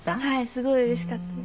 すごいうれしかった。